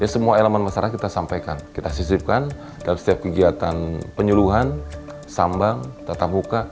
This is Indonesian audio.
semua elemen masyarakat kita sampaikan kita sisipkan dalam setiap kegiatan penyuluhan sambang tatap muka